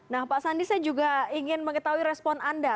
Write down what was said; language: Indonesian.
nah pak sandi saya juga ingin mengetahui respon anda